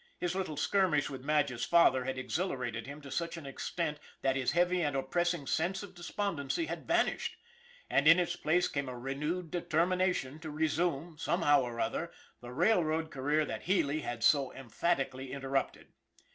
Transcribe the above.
His little skirmish with Madge's father had exhilarated him to such an extent that his heavy and oppressing sense of despondency had vanished, and in its place came a renewed determination to resume, somehow or other, the railroad career that Healy had so emphatically interrupted.